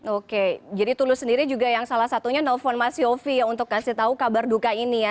oke jadi tulus sendiri juga yang salah satunya nelfon mas yofi ya untuk kasih tahu kabar duka ini ya